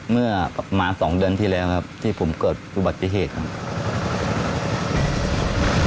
เมื่อประมาณสองเดือนที่แล้วครับที่ผมเกิดปฏิเสธครับ